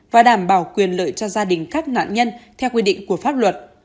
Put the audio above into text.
và đảm bảo quyền lợi cho gia đình các nạn nhân theo quy định của pháp luật